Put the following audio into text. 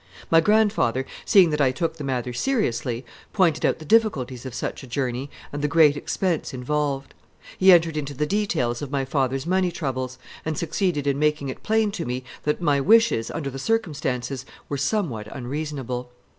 My grandfather, seeing that I took the matter seriously, pointed out the difficulties of such a journey and the great expense involved. He entered into the details of my father's money troubles, and succeeded in making it plain to me that my wishes, under the circumstances, were somewhat unreasonable.